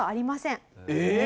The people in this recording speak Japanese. えっ？